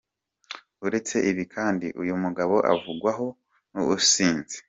Uretse ibi kandi uyu mugabo avugwaho n’ubusinzi.